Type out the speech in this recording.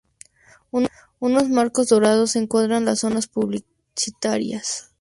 Unos marcos dorados encuadran las zonas publicitarias.